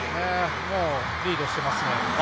もうリードしてますね。